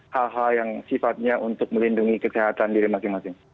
hal hal yang sifatnya untuk melindungi kesehatan diri masing masing